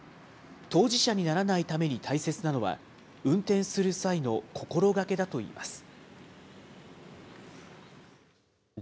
当事者にならないために大切なのは、運転する際の心がけだといいます。